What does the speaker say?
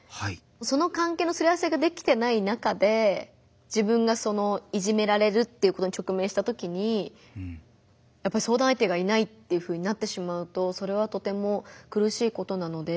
その関係のすり合わせができてない中で自分がいじめられるっていうことに直面したときに相談相手がいないっていうふうになってしまうとそれはとても苦しいことなので。